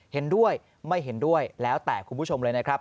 เห็นด้วยไม่เห็นด้วยแล้วแต่คุณผู้ชมเลยนะครับ